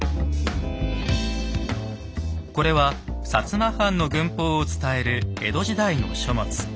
これは摩藩の軍法を伝える江戸時代の書物。